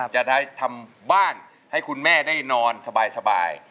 จะได้ทำบ้านให้คุณแม่ได้นอนสบาย